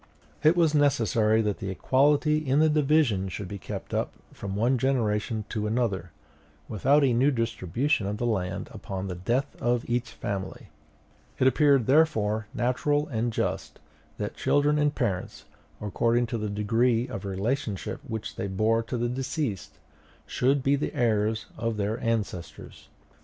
It was necessary that the equality in the division should be kept up from one generation to another, without a new distribution of the land upon the death of each family; it appeared therefore natural and just that children and parents, according to the degree of relationship which they bore to the deceased, should be the heirs of their ancestors.